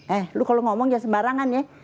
eh lu kalo ngomong jangan sembarangan ya